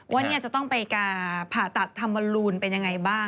ว่าจะต้องไปการ์ดผ่าตัดทำบรรลูนเป็นอย่างไรบ้าง